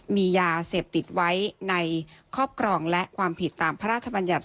มียาเสพติดไว้ในครอบครองและความผิดตามพระราชบัญญัติ